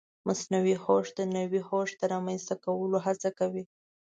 مصنوعي هوښ د نوي هوښ د رامنځته کولو هڅه کوي.